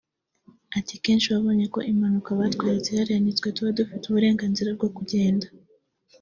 Ati “kenshi wabonye ko impanuka batweretse hariya nitwe tuba dufite uburenganzira bwo kugenda